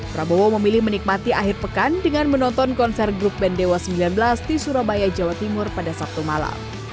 prabowo memilih menikmati akhir pekan dengan menonton konser grup band dewa sembilan belas di surabaya jawa timur pada sabtu malam